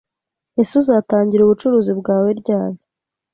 ese uzatangira ubucuruzi bwawe ryari